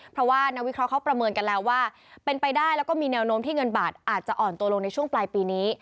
เพราะว่านักวิเคราะห์ประเมินกันแล้วว่าเป็นไปได้แล้วก็มีแนวโน้มที่เงินบาทอาจจะอ่อนตัวลงในช่วงปลายปีนี้